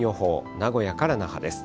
名古屋から那覇です。